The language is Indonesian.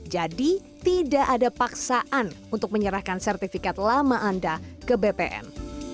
jadi tidak ada paksaan untuk menyerahkan sertifikat lama anda ke bpn